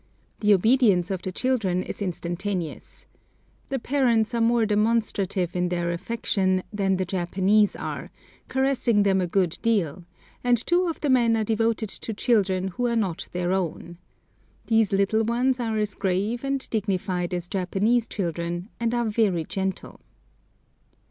The obedience of the children is instantaneous. Their parents are more demonstrative in their affection than the Japanese are, caressing them a good deal, and two of the men are devoted to children who are not their own. These little ones are as grave and dignified as Japanese children, and are very gentle.